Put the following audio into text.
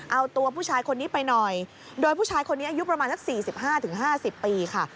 เอาตัวผู้ชายคนนี้ไปหน่อยโดยผู้ชายคนนี้อายุประมาณสัก๔๕๕๐ปีค่ะ